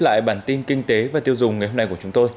và những thông tin vừa rồi cũng đã khép